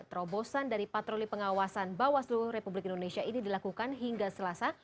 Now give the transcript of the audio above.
terobosan dari patroli pengawasan bawaslu republik indonesia ini dilakukan hingga selasa